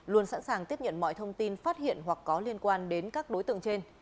luôn sẵn sàng tiếp nhận mọi thông tin phát hiện hoặc có liên quan đến các đối tượng trên